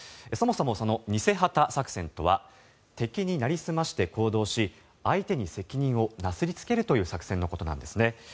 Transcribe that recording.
そもそも偽旗作戦とは敵になりすまして行動し相手に責任をなすりつけるという作戦のことなんです。